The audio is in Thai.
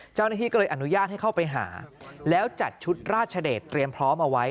เจ้าหน้าที่ก็เลยอนุญาตให้เข้าไปหาแล้วจัดชุดราชเดชเตรียมพร้อมเอาไว้